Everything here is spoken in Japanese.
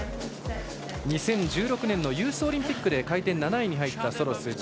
２０１６年のユースオリンピックで回転７位に入ったソロス。